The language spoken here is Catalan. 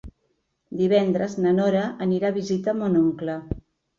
Divendres na Nora anirà a visitar mon oncle.